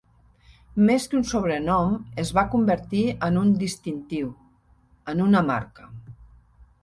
Més que un sobrenom es va convertir en un distintiu, en una marca.